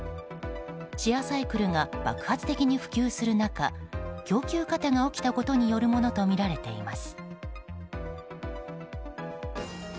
シェアサイクルが爆発的に普及する中供給過多が起きたことによるものとみられています。